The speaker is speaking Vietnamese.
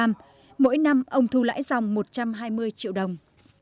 mỗi năm ông thu lãi dòng một trăm hai mươi triệu đồng